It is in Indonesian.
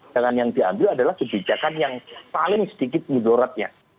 dan yang diambil adalah kebijakan yang paling sedikit mudoratnya